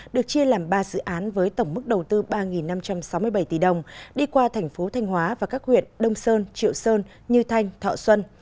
được chia làm ba dự án với tổng mức đầu tư ba năm trăm sáu mươi bảy tỷ đồng đi qua thành phố thanh hóa và các huyện đông sơn triệu sơn như thanh thọ xuân